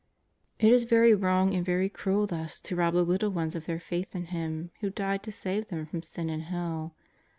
It is very wrong and very cruel thus to rob the little ones of their faith in Him who died to save them from sin and hell.